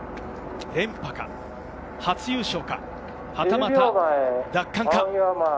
連覇か、初優勝か、はたまた奪還か。